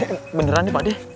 eh beneran ya pak deh